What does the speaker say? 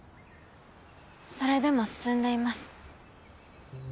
それでも進んでいます。